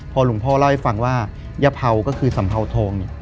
พอหลวงพ่อเล่าให้ฟังว่ายะเผาก็คือสัมเภาทองเนี่ย